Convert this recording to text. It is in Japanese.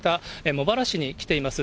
茂原市に来ています。